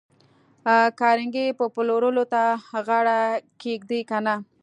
کارنګي به پلورلو ته غاړه کېږدي که نه